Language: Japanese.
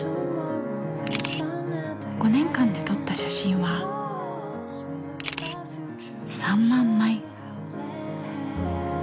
５年間で撮った写真は３万枚。